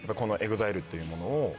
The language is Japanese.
このＥＸＩＬＥというものを。